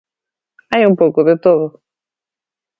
Hai un pouco de todo.